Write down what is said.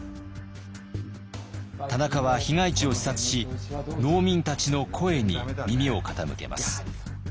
田中は被害地を視察し農民たちの声に耳を傾けます。